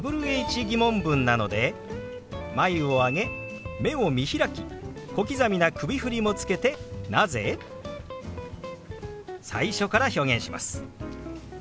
ー疑問文なので眉を上げ目を見開き小刻みな首振りもつけて「なぜ？」。最初から表現します。